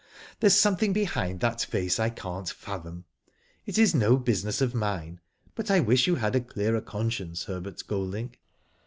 There's something behind that face I can't fathom. It is no business of mine, but I wish you had a clearer conscience, Herbert Golding.